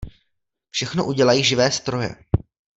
Všechno udělají živé stroje.